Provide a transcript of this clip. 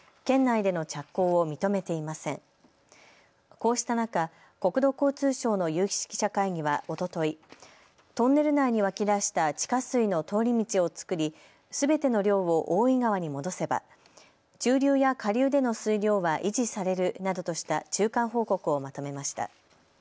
こうした中、国土交通省の有識者会議はおととい、トンネル内に湧き出した地下水の通り道を造り、すべての量を大井川に戻せば中流や下流での水量は維持されるなどとした中間報告をまとめました。